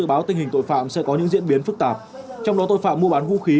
dự báo tình hình tội phạm sẽ có những diễn biến phức tạp trong đó tội phạm mua bán vũ khí